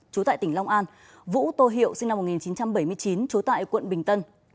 chú tại tỉnh long an vũ tô hiệu sinh năm một nghìn chín trăm bảy mươi chín trú tại quận bình tân